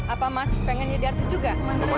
apa mas pengen jadi artis juga